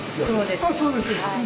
そうです。